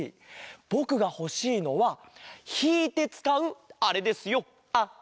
ぼくがほしいのはひいてつかうあれですよあれ！